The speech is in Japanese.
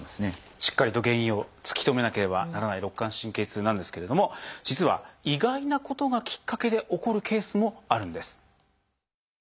しっかりと原因を突き止めなければならない肋間神経痛なんですけれども実は意外なことがきっかけで起こるケースもあるんです。